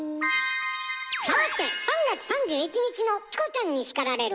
さて３月３１日の「チコちゃんに叱られる！」